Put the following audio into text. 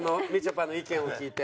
ぱの意見を聞いて。